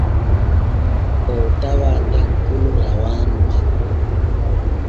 Oo tawaa takkol rawaanu makko.